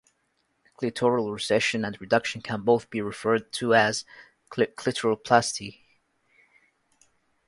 Clitoral recession and reduction can both be referred to as clitoroplasty.